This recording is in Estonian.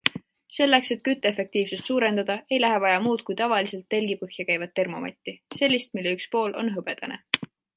Selleks, et kütteefektiivsust suurendada, ei lähe vaja muud kui tavaliselt telgi põhja käivat termomatti - sellist, mille üks pool on hõbedane.